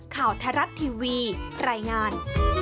ข่าวไทยรัฐทีวีรายงาน